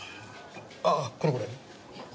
ああこれこれ。